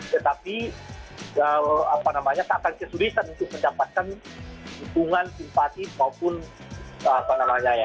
tetapi apa namanya tak akan kesulitan untuk mendapatkan untungan simpatis maupun kebenaran